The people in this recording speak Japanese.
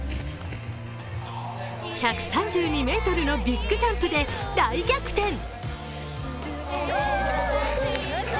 １３２ｍのビッグジャンプで大逆転。